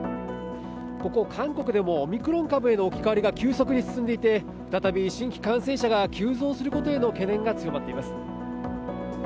ここ韓国でもオミクロン株への置き換わりが急速に進んでいて、再び新規感染者が急増することへの懸念が強まっています。